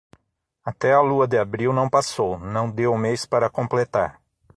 Até a lua de abril não passou, não dê o mês para completar.